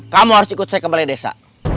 kamu harus ikut saya ke balai desa